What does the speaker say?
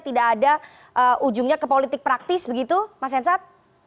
tidak ada ujungnya ke politik praktis begitu mas hensat